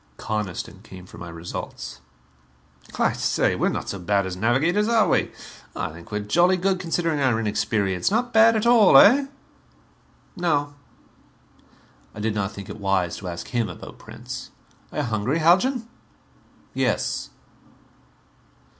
Coniston came for my results. "I say, we are not so bad as navigators, are we? I think we're jolly good, considering our inexperience. Not bad at all, eh?" "No." I did not think it wise to ask him about Prince. "Are you hungry, Haljan?" "Yes."